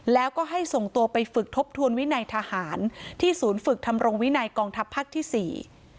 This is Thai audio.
แล้วก็ให้ส่งตัวไปฝึกทบทวนวินัยทหารที่ศูนย์ฝึกทำรงวินัยกองทัพภาคที่สี่